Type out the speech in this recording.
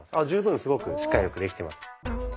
十分すごくしっかりよくできています。